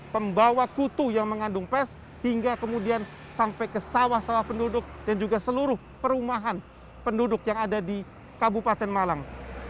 pembawa kutu yang mengandung pes hingga kemudian sampai ke sawah sawah penduduk dan juga seluruh perumahan penduduk yang ada di kabupaten malang